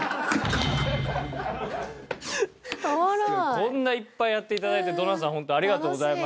こんないっぱいやって頂いてドナさんホントありがとうございました。